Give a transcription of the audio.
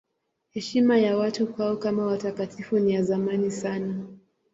Heshima ya watu kwao kama watakatifu ni ya zamani sana.